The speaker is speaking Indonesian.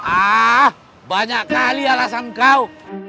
ah banyak kali alasan kau